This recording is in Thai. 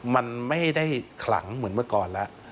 มันไม่ได้ขลังเหมือนเมื่อก่อนแล้ว